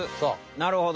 なるほど。